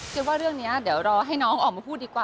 ว่าเรื่องนี้เดี๋ยวรอให้น้องออกมาพูดดีกว่า